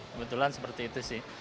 kebetulan seperti itu sih